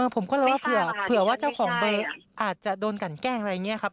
ผมก็เลยว่าเผื่อว่าเจ้าของใบอาจจะโดนกันแกล้งอะไรอย่างนี้ครับ